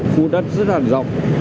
khu đất rất là rộng